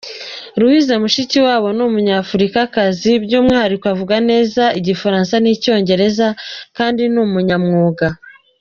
Louise Mushikiwabo ni Umunyafurikakazi, by’umwihariko uvuga neza Igifaransa n’Icyongereza, kandi ni umunyamwuga.